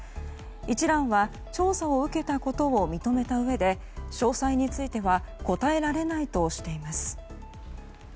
一蘭は調査を受けたことを認めたうえで詳細については答えられないとしています。